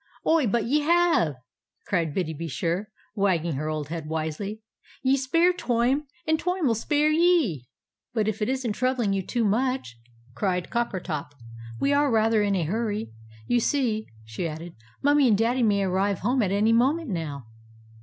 "Oh, but ye have!" cried Biddy be sure, wagging her old head wisely; "ye spare Toime, and Toime 'ill spare ye!" "But if it isn't troubling you too much," cried Coppertop, "we are rather in a hurry. You see," she added, "Mummie and Daddy may arrive home at any moment now."